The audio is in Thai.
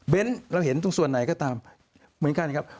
เราเห็นตรงส่วนไหนก็ตามเหมือนกันครับ